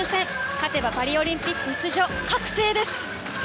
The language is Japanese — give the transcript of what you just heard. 勝てばパリオリンピック出場確定です。